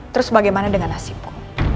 terus bagaimana dengan nasibku